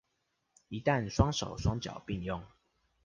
一旦雙手雙腳併用